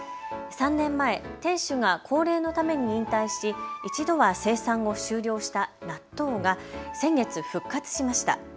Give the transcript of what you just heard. ３年前、店主が高齢のために引退し一度は生産を終了した納豆が先月、復活しました。